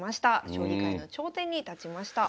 将棋界の頂点に立ちました。